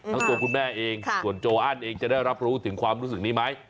ตัวคุณแม่เองส่วนโจอันเองจะได้รับรู้ถึงความรู้สึกนี้ไหม